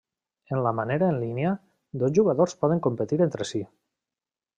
En la manera en línia, dos jugadors poden competir entre si.